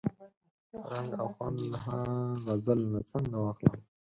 رنګ او خوند له ها غزل نه څنګه واخلم؟